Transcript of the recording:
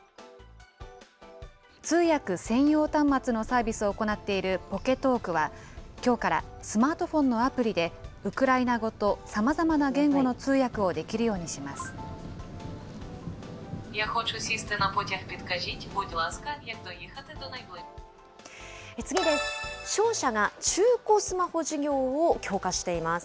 通訳専用端末のサービスを行っているポケトークは、きょうから、スマートフォンのアプリで、ウクライナ語とさまざまな言語の通訳をできるようにします。